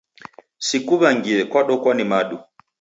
Sikuw'angie kwadokwa ni madu.